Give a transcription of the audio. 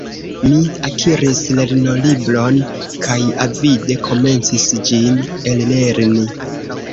Mi akiris lernolibron kaj avide komencis ĝin ellerni.